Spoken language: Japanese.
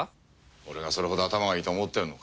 俺がそれほど頭がいいと思ってるのか。